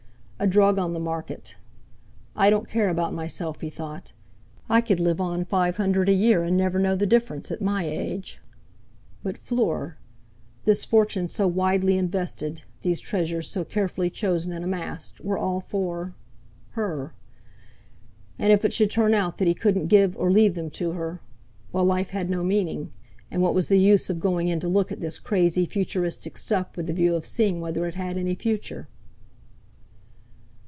A drug on the market. 'I don't care about myself,' he thought; 'I could live on five hundred a year, and never know the difference, at my age.' But Fleur! This fortune, so widely invested, these treasures so carefully chosen and amassed, were all for—her. And if it should turn out that he couldn't give or leave them to her—well, life had no meaning, and what was the use of going in to look at this crazy, futuristic stuff with the view of seeing whether it had any future?